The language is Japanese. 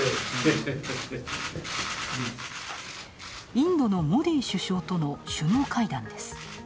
インドのモディ首相との首脳会談です。